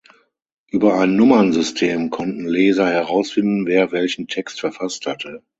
Über ein Nummernsystem konnten Leser herausfinden, wer welchen Text verfasst hatte.